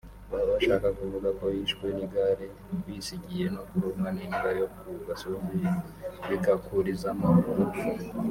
Baba bashaka kuvuga ko yishwe n’igare bisigiye no kurumwa n’imbwa yo ku gasozi bigakurizamo urupfu